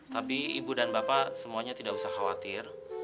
tapi ibu dan bapak semuanya tidak usah khawatir